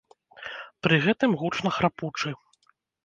Пры гэтым гучна храпучы.